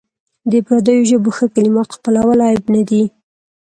د پردیو ژبو ښه کلمات خپلول عیب نه دی.